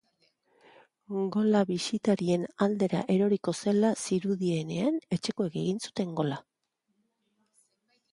Gola bisitarien aldera eroriko zela zirudienean, etxekoek egin zuten gola.